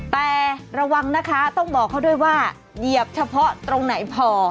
แต่ระวังนะคะต้องบอกเขาด้วยว่าเหยียบเฉพาะตรงไหนพอ